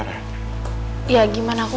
oleh karena tante gocus